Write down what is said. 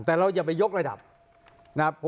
แต่เราอย่าไปยกระดับนะครับ